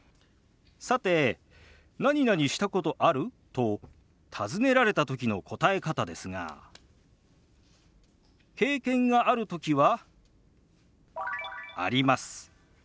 さて「なになにしたことある？」と尋ねられた時の答え方ですが経験がある時は「あります」。